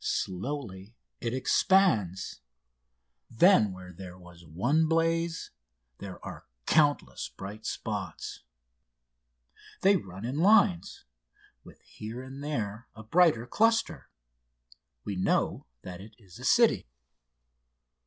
Slowly it expands. Then where there was one blaze there are countless bright spots. They run in lines, with here and there a brighter cluster. We know that it is a city.